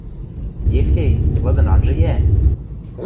Евсей, лыдын анжы йӓ!..